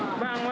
sudah yang lalu